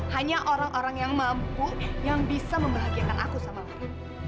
hanya orang orang yang mampu yang bisa membahagiakan aku samapun